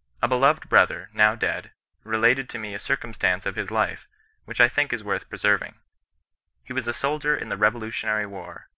" A beloved brother, now dead, related to me a cir cumstance of his life, which I think is worth preserving. He was a soldier in the revolutionary war.